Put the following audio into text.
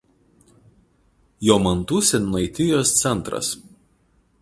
Jomantų seniūnaitijos centras.